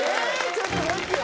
ちょっと待ってよ。